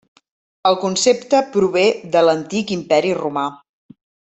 El concepte prové de l'antic imperi romà.